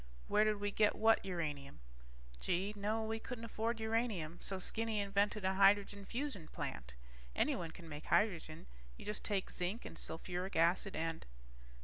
Where did we get what uranium? Gee, no, we couldn't afford uranium, so Skinny invented a hydrogen fusion plant. Anyone can make hydrogen. You just take zinc and sulfuric acid and